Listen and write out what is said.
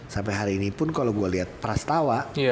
sampai hari ini pun kalo gue liat prastawa